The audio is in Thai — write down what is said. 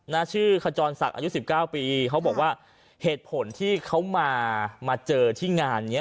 นาชื่อคจรศักดิ์อายุ๑๙ปีเขาบอกว่าเหตุผลที่เขามาเจอที่งานนี้